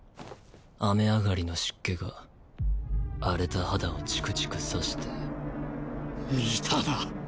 雨上がりの湿気が荒れた肌をチクチクさして見たな。